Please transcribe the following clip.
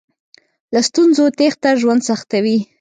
له ستونزو تېښته ژوند سختوي.